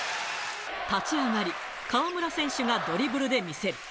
立ち上がり、河村選手がドリブルで見せる。